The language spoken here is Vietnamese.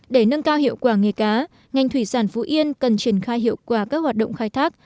để nâng cao hiệu quả nghề cá ngành thủy sản phú yên cần triển khai hiệu quả các hoạt động khai thác